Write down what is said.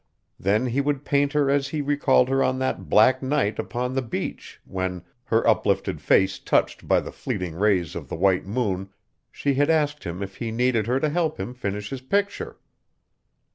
Then he would paint her as he recalled her on that black night upon the beach when, her uplifted face touched by the fleeting rays of the white moon, she had asked him if he needed her to help him finish his picture.